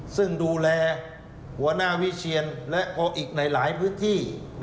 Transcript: ซึ่งดูแลหัวหน้าวิเชียนและก็อีกในหลายพื้นที่